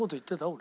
俺。